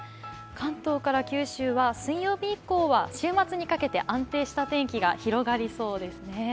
関東から九州は水曜日以降は週末にかけて安定した天気が広がりそうですね。